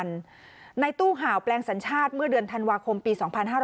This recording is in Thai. ในตู้ห่าวแปลงสัญชาติเมื่อเดือนธันวาคมปี๒๕๕๙